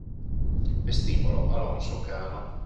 Vestibolo Alonso Cano